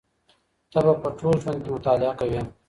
ته به په ټول ژوند کي مطالعه کوې.